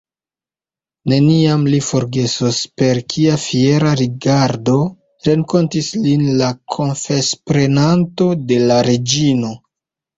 Neniam li forgesos, per kia fiera rigardo renkontis lin la konfesprenanto de la reĝino.